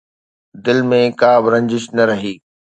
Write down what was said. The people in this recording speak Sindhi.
دل ۾ ڪا به رنجش نه رهي